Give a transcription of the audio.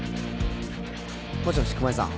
もしもし熊井さん